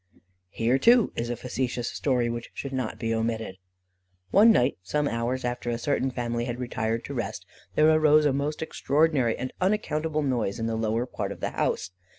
Here, too, is a facetious story, which should not be omitted: One night, some hours after a certain family had retired to rest, there arose a most extraordinary and unaccountable noise in the lower part of the house.